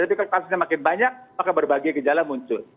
tapi kalau kasusnya makin banyak maka berbagai gejala muncul